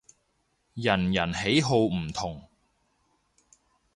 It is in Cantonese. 人人喜好唔同